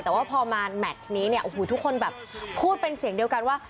แต่ว่าพอมาแมชนี้เนี่ยโอ้โหทุกคนแบบพูดเป็นเสียงเดียวกันว่า